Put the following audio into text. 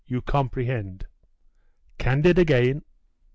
You comprehend.' 'Candid again.